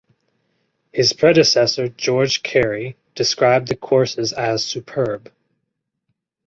His predecessor, George Carey described the courses as superb.